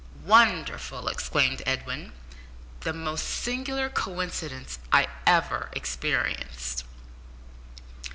"Wonderful!" exclaimed Edwin. "The most singular coincidence I ever experienced."